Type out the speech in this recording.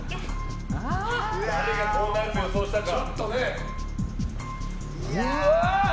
誰がこうなると予想したか。